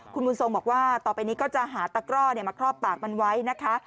คุณบุญทรงบอกว่าต่อไปนี้ก็จะหาตะกร่อมาครอบปากมันไว้นะคะ